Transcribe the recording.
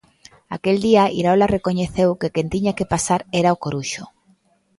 Aquel día Iraola recoñeceu que quen tiña que pasar era o Coruxo.